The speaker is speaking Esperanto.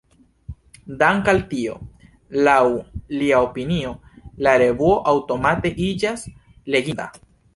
Dank’ al tio, laŭ lia opinio, la revuo aŭtomate iĝas “leginda”.